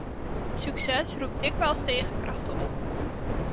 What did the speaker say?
Succes roept dikwijls tegenkrachten op.